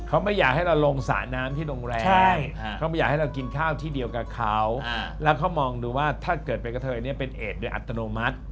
เขาไม่อยากให้เราลงสระน้ำที่โรงแรมเขาไม่อยากให้เรากินข้าวที่เดียวกับเขาแล้วเขามองดูว่าถ้าเกิดเป็นกระเทยเนี่ยเป็นเอดโดยอัตโนมัติ